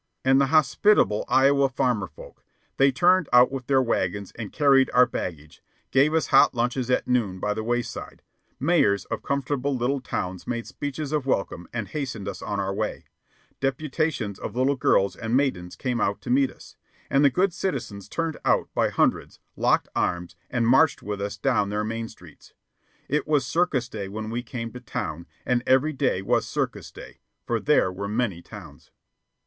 And the hospitable Iowa farmer folk! They turned out with their wagons and carried our baggage; gave us hot lunches at noon by the wayside; mayors of comfortable little towns made speeches of welcome and hastened us on our way; deputations of little girls and maidens came out to meet us, and the good citizens turned out by hundreds, locked arms, and marched with us down their main streets. It was circus day when we came to town, and every day was circus day, for there were many towns.